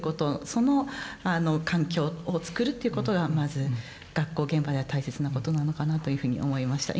その環境をつくるということがまず学校現場では大切なことなのかなというふうに思いました。